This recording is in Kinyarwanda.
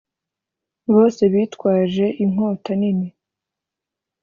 bose bitwaje inkota nini